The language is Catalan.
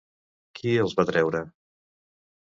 Qui els va treure?